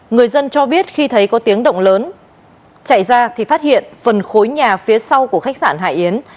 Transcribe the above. người dân cho biết khi thấy có tiếng động lớn chạy ra thì phát hiện phần khối nhà phía sau của khách sạn hải yến